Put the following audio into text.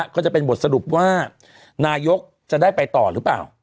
ก็จะเป็นบทสรุปว่านายกจะได้ไปต่อหรือเปล่า